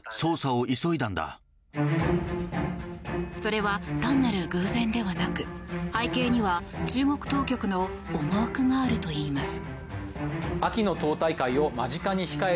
それは単なる偶然ではなく背景には、中国当局の思惑があるといいます。